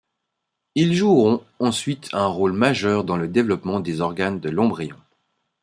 Ils joueront ensuite un rôle majeur dans le développement des organes de l'embryon.